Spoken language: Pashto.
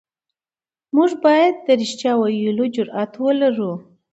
موږ بايد د رښتيا ويلو جرئت ولرو.